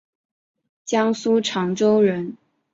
江苏长洲人。